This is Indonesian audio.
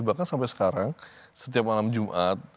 bahkan sampai sekarang setiap malam jumat